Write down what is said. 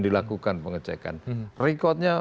dilakukan pengecekan rekodnya